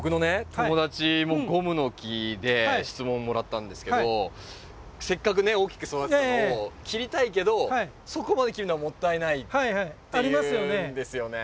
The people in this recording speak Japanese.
友達もゴムノキで質問もらったんですけどせっかくね大きく育てたのを切りたいけどそこまで切るのはもったいないって言うんですよね。